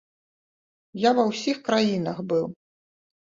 Я ва ўсіх краінах быў.